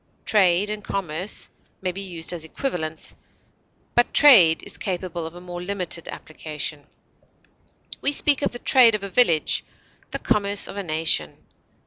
Trade and commerce may be used as equivalents, but trade is capable of a more limited application; we speak of the trade of a village, the commerce of a nation.